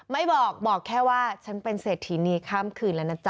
ไม่บอกบอกแค่ว่าฉันเป็นเศรษฐีนีข้ามคืนแล้วนะจ๊